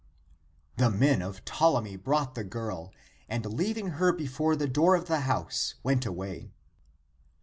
(135) Ptolemy brought the girl, and leaving her before the door of the house, went away.